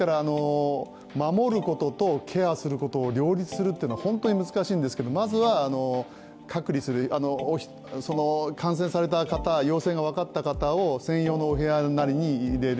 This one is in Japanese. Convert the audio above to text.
守ることとケアすることを両立するというのは本当に難しいんですけど、まずは感染された方、陽性が分かった方を専用のお部屋などに入れる。